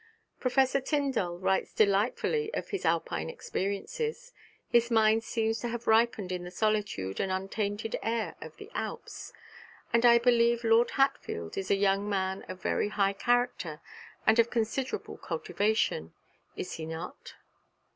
Professor Tyndall writes delightfully of his Alpine experiences; his mind seems to have ripened in the solitude and untainted air of the Alps. And I believe Lord Hartfield is a young man of very high character and of considerable cultivation, is he not?'